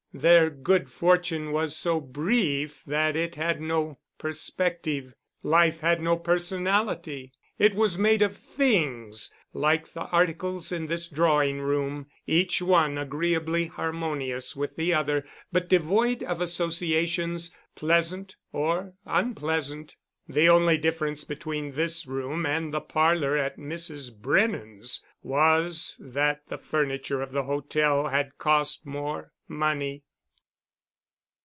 Their good fortune was so brief that it had no perspective. Life had no personality. It was made of Things, like the articles in this drawing room, each one agreeably harmonious with the other, but devoid of associations, pleasant or unpleasant. The only difference between this room and the parlor at Mrs. Brennan's was that the furniture of the hotel had cost more money.